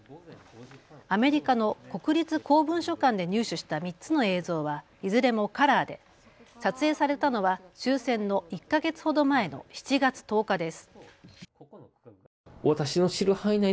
アメリカの国立公文書館で入手した３つの映像はいずれもカラーで撮影されたのは終戦の１か月ほど前の７月１０日です。